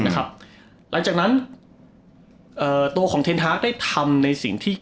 หลังจากนั้นเอ่อตัวของเทนฮาร์กได้ทำในสิ่งที่